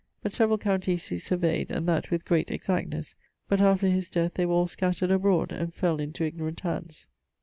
But severall counties he surveyd, and that with great exactnes, but after his death they were all scattered abroad, and fell into ignorant hands.